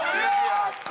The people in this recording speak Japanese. やった！